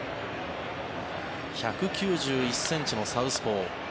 １９１ｃｍのサウスポー。